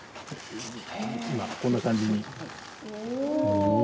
今こんな感じに。